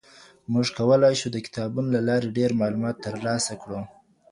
موږ کولای شو د کتابتون له لاري ډېر معلومات ترلاسه کړو.